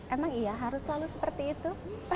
emang iya harus selalu seperti itu